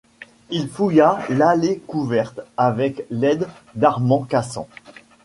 Il fouilla l'allée couverte avec l'aide d'Armand Cassan.